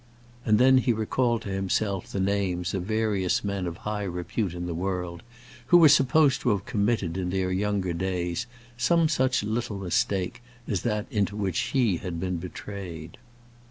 And then he recalled to himself the names of various men of high repute in the world who were supposed to have committed in their younger days some such little mistake as that into which he had been betrayed.